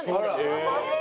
優しい！